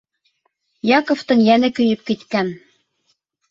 Яковтың йәне көйөп киткән.